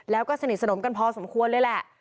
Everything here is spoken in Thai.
แล้วก็สนิทสนมกันพอสมควรเลยแหละ